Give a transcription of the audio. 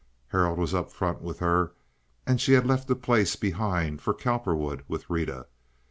Harold was up in front with her and she had left a place behind for Cowperwood with Rita.